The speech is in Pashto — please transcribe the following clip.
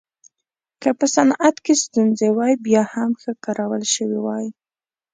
که په صنعت کې ستونزې وای بیا هم ښه کارول شوې وای